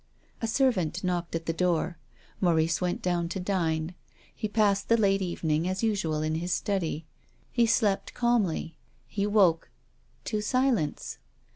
A servant knocked at the door. Maurice went down to dine. He passed the late evening as usual in his study. He slept calmly. He woke — to silence.